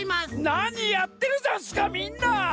なにやってるざんすかみんな！